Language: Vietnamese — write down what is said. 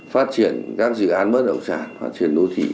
phát triển các dự án bất động sản phát triển đô thị